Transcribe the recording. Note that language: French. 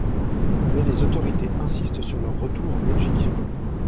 Mais les autorités insistent sur leur retour en Belgique.